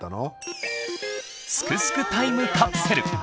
すくすくタイムカプセル！